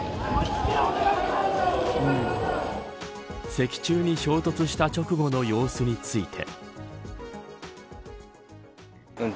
石柱に衝突した直後の様子について。